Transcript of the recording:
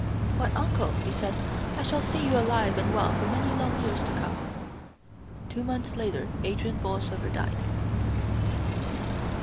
"Why, uncle!" he said, "I shall see you alive and well for many long years to come." Two months later Adrian Borlsover died.